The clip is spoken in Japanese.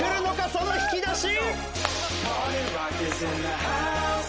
その引き出し！